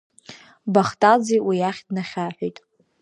Бахтаӡе уи иахь днахьаҳәит.